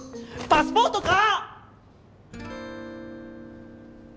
パスポートか！